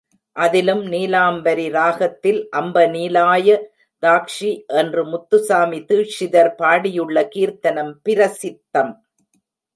அதிலும் நீலாம்பரி ராகத்தில் அம்ப நீலாய தாக்ஷி என்று முத்துச்சாமி தீக்ஷிதர் பாடியுள்ள கீர்த்தனம் பிரசித்தம்.